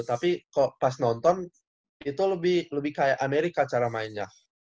tapi kok pas nonton itu lebih kayak amerika cara mainnya